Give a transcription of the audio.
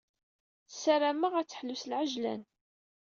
Ssarameɣ ad teḥlu s lɛejlan.